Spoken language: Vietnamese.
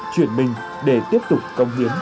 chuyển mình để tiếp tục công hiến